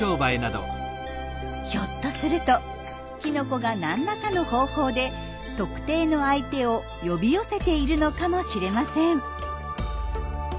ひょっとするときのこが何らかの方法で特定の相手を呼び寄せているのかもしれません。